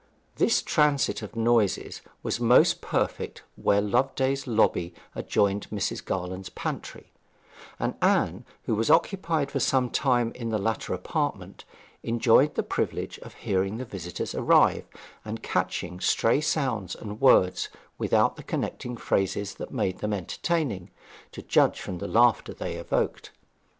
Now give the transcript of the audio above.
This transit of noises was most perfect where Loveday's lobby adjoined Mrs. Garland's pantry; and Anne, who was occupied for some time in the latter apartment, enjoyed the privilege of hearing the visitors arrive and of catching stray sounds and words without the connecting phrases that made them entertaining, to judge from the laughter they evoked.